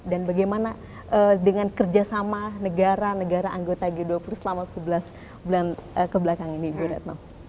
dan bagaimana dengan kerjasama negara negara anggota g dua puluh selama sebelas bulan kebelakang ini ibu retno